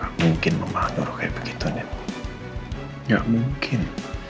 gak mungkin mama nuruh kayak begitu den gak mungkin